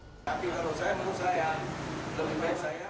tapi kalau saya menurut saya lebih baik saya